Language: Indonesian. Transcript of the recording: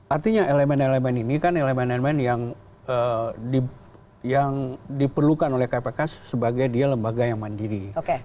artinya elemen elemen ini kan elemen elemen yang diperlukan oleh kpk sebagai dia lembaga yang mandiri